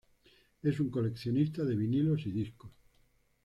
Es un coleccionista de vinilos y discos.